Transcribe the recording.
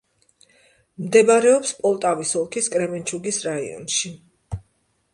მდებარეობს პოლტავის ოლქის კრემენჩუგის რაიონში.